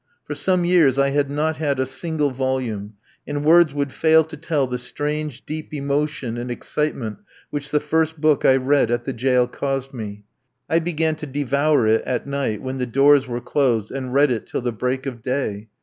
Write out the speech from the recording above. For some years I had not had a single volume, and words would fail to tell the strange, deep emotion and excitement which the first book I read at the jail caused me. I began to devour it at night, when the doors were closed, and read it till the break of day.